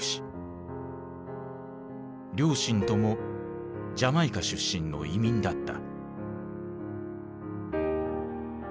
両親ともジャマイカ出身の移民だった。